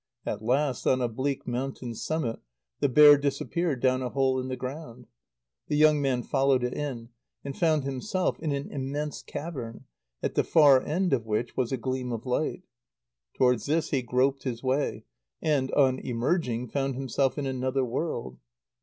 At last, on a bleak mountain summit, the bear disappeared down a hole in the ground. The young man followed it in, and found himself in an immense cavern, at the far end of which was a gleam of light. Towards this he groped his way, and, on emerging, found himself in another world.